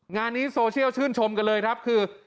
งานนี้โซเชียลชื่นชมกันเลยครับคือ